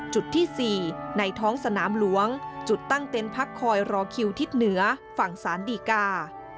จุดที่๔ในท้องสนามหลวงจุดตั้งเต็นต์พักคอยรอคิวทิศเหนือฝั่งสารดีกา